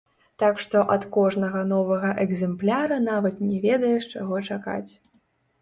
Так што ад кожнага новага экзэмпляра нават не ведаеш, чаго чакаць.